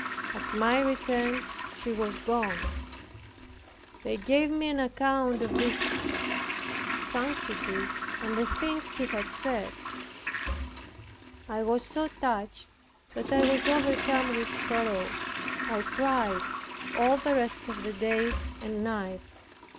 At my return he was gone. They gave me an account of his sanctity, and the things he had said, I was so touched that I was overcome with sorrow. I cried all the rest of the day and night.